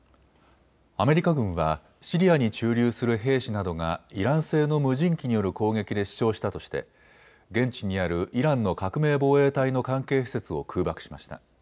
アメリカ軍はシリアに駐留する兵士などがイラン製の無人機による攻撃で死傷したとして現地にあるイランの革命防衛隊の関係施設を空爆しました。